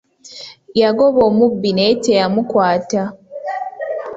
Yagoba omubbi naye teyamukwata.